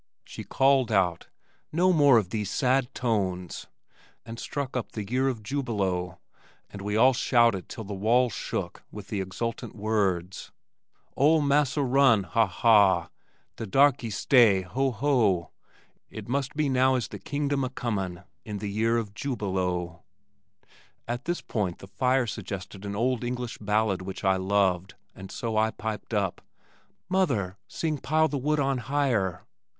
She called out, "No more of these sad tones," and struck up "The Year of Jubilo," and we all shouted till the walls shook with the exultant words: Ol' massa run ha ha! De darkies stay, ho ho! It must be now is the kingdom a comin' In the year of Jubilo. At this point the fire suggested an old English ballad which I loved, and so I piped up, "Mother, sing, 'Pile the Wood on Higher!'"